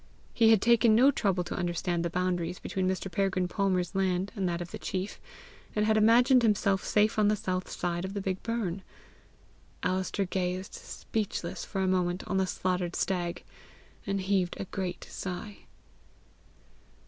He had taken no trouble to understand the boundaries between Mr. Peregrine Palmer's land and that of the chief, and had imagined himself safe on the south side of the big burn. Alister gazed speechless for a moment on the slaughtered stag, and heaved a great sigh.